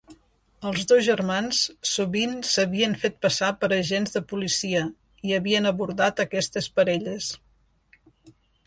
Els dos germans sovint s'havien fet passar per agents de policia i havien abordat aquestes parelles.